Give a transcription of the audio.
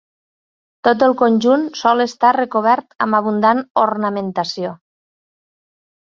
Tot el conjunt sol estar recobert amb abundant ornamentació.